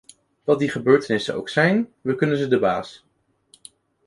Wat die gebeurtenissen ook zijn, we kunnen ze de baas.